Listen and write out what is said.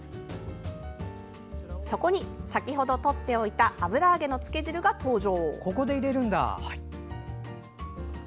そこに先ほどとっておいた油揚げのつけ汁が登場。